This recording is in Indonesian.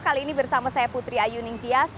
kali ini bersama saya putri ayu ningtyas